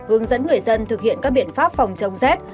hướng dẫn người dân thực hiện các biện pháp phòng chống rét